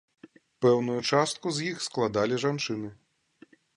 Пэўную частку з іх складалі жанчыны.